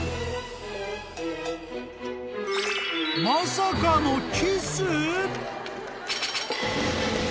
［まさかの］